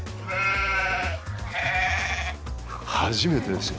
初めてですよ